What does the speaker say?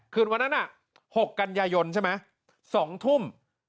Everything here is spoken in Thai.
คืนวันนั้น๖กันยโยน๒ทุ่ม